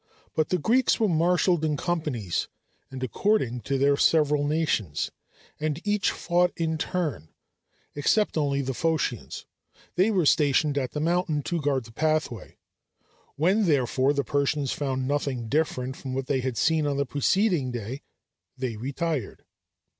But the Greeks were marshalled in companies and according to their several nations, and each fought in turn, except only the Phocians; they were stationed at the mountain to guard the pathway. When, therefore, the Persians found nothing different from what they had seen on the preceding day, they retired.